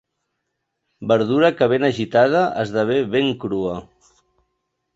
Verdura que, ben agitada, esdevé ben crua.